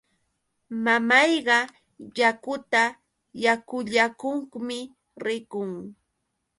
Mamayqa yakuta yakullakuqmi rikun.